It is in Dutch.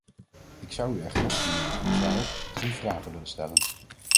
Ik zou u echter, mijnheer de commissaris, drie vragen willen stellen.